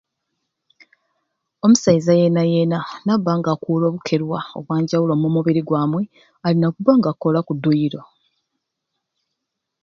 Omusaiza yeena yeena nabbanga akuura obukerwa obwanjawulo omu mubiri gwamwe alina kubba nga akukoola ku dduyiro.